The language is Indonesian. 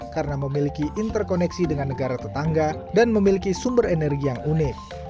karena memiliki interkoneksi dengan negara tetangga dan memiliki sumber energi yang unik